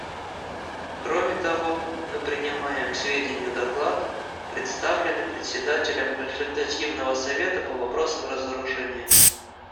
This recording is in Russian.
Кроме того, мы принимаем к сведению доклад, представленный Председателем Консультативного совета по вопросам разоружения.